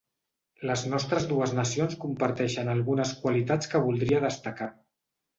Les nostres dues nacions comparteixen algunes qualitats que voldria destacar.